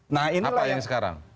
nah inilah yang sekarang